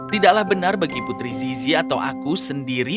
tidaklah benar bagi putri zizi atau aku sendiri